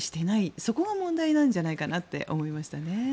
そこが問題じゃないかなと思いましたね。